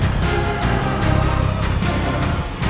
jadi silahkan masuk